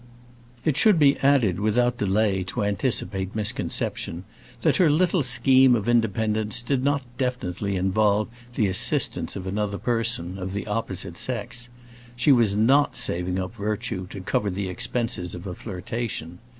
It should be added, without delay, to anticipate misconception, that her little scheme of independence did not definitely involve the assistance of another person, of the opposite sex; she was not saving up virtue to cover the expenses of a flirtation.